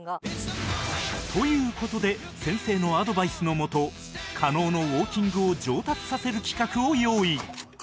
という事で先生のアドバイスのもと加納のウォーキングを上達させる企画を用意